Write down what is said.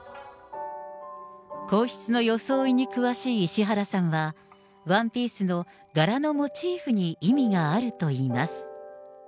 皇室の装いに詳しい石原さんは、ワンピースの柄のモチーフに意味があるといいます。